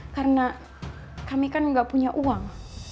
karena kami kan gak punya uang